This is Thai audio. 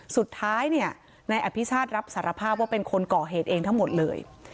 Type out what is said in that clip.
สุดท้ายเนี่ยนายอภิชาติรับสารภาพว่าเป็นคนก่อเหตุเองทั้งหมดเลย